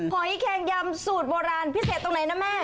หอยแคงยำสูตรโบราณพิเศษตรงไหนนะแม่